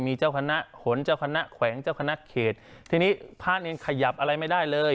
มีเจ้าคณะหนเจ้าคณะแขวงเจ้าคณะเขตทีนี้พระเนรขยับอะไรไม่ได้เลย